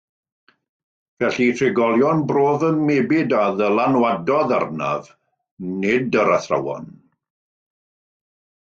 Felly trigolion bro fy mebyd a ddylanwadodd arnaf, nid yr athrawon